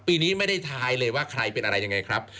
ปีนี้ไม่ได้ท้ายเลยว่าใครเป็นอะไรยังไงครับ